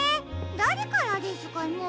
だれからですかね。